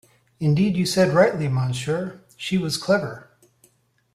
Indeed, you said rightly, monsieur — she was clever.